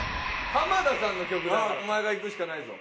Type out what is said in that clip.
浜田さんの曲だからお前がいくしかないぞ。